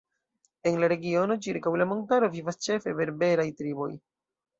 En la regiono ĉirkaŭ la montaro vivas ĉefe berberaj triboj.